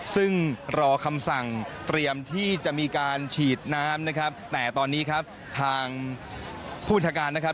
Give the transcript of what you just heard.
ซึ่งรอคำสั่งเตรียมที่จะมีการฉีดน้ำนะครับแต่ตอนนี้ครับทางผู้บัญชาการนะครับ